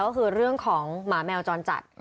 ก็คือเรื่องของหมาแมวจรจัด